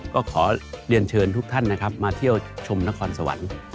ก็ขอเรียนเชิญทุกท่านนะครับมาเที่ยวชมนครสวรรค์